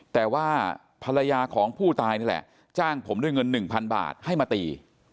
แต่ว่าภรรยาของผู้ตายนี่แหละจ้างผมด้วยเงิน๑๐๐บาทให้มาตี